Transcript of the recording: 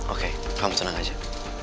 oke kamu senang aja